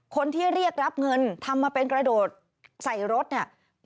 คนที่เรียกรับเงินทำมาเป็นกระโดดใส่รถเนี่ย